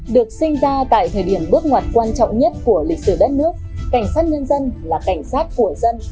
được sinh ra tại thời điểm bước ngoặt quan trọng nhất của lịch sử đất nước cảnh sát nhân dân là cảnh sát của dân